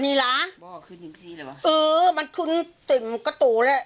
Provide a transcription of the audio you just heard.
นี้ล่ะบอกคืนอย่างสี่แหละว่าเออมันคืนติ่มกระโตแล้ว